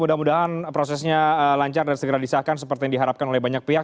mudah mudahan prosesnya lancar dan segera disahkan seperti yang diharapkan oleh banyak pihak